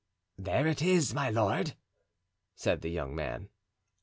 "There it is, my lord," said the young man.